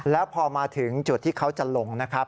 แล้วพอมาถึงจุดที่เขาจะลงนะครับ